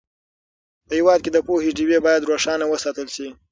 په هېواد کې د پوهې ډېوې باید روښانه وساتل سي.